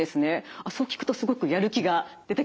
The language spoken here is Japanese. あっそう聞くとすごくやる気が出てきました。